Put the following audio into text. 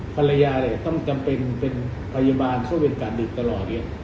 ภรรยาต้องจำเป็นเป็นพยาบาลเข้าเวรกัดเด็กตลอดเลย